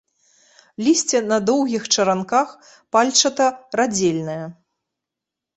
Лісце на доўгіх чаранках, пальчата-радзельнае.